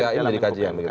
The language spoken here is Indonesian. dalam kpi menjadi kajian